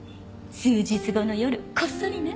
数日後の夜こっそりね。